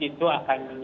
itu amat tergantung